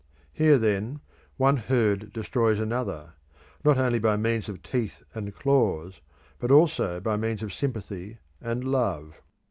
Here, then, one herd destroys another, not only by means of teeth and claws, but also by means of sympathy and love.